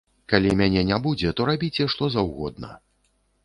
Калі мяне не будзе, то рабіце, што заўгодна.